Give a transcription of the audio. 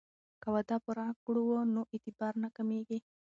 که وعده پوره کړو نو اعتبار نه کمیږي.